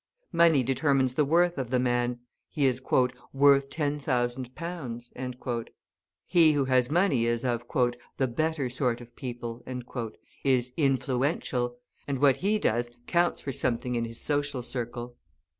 Money determines the worth of the man; he is "worth ten thousand pounds." He who has money is of "the better sort of people," is "influential," and what he does counts for something in his social circle.